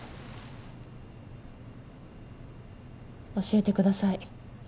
教えてください。